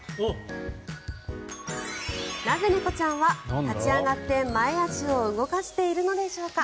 なぜ猫ちゃんは立ち上がって前足を動かしているのでしょうか。